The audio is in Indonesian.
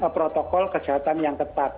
protokol kesehatan yang tepat